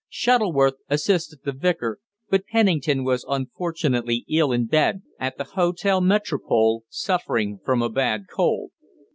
Shuttleworth assisted the vicar, but Pennington was unfortunately ill in bed at the Hôtel Métropole, suffering from a bad cold.